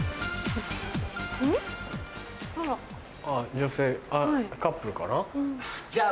女性カップルかな？